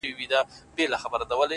هغې راپسې دود د گرمو اوښکو سمندر کړ _